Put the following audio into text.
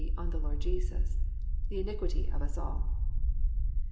on the Lord Jesus) +the iniquity of us all."